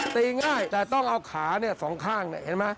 ตีง่ายแต่ต้องเอาขาสองข้างนะเห็นไหม